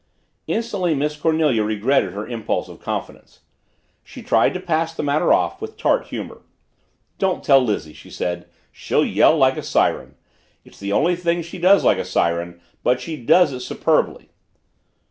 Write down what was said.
Instantly Miss Cornelia regretted her impulse of confidence. She tried to pass the matter off with tart humor. "Don't tell Lizzie," she said. "She'd yell like a siren. It's the only thing she does like a siren, but she does it superbly!"